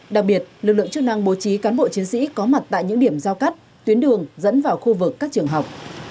đặc biệt lực lượng chức năng bố trí cán bộ chiến sĩ có mặt tại những điểm giao cắt tuyến đường dẫn vào khu vực các trường học